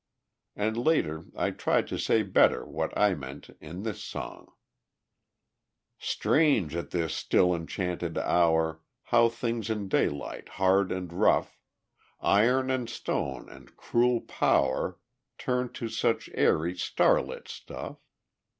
And later I tried to say better what I meant in this song: _Strange, at this still enchanted hour, How things in daylight hard and rough, Iron and stone and cruel power, Turn to such airy, starlit stuff!